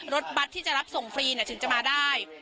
รถบัตรที่จะรับส่งฟรีถึงจะมาได้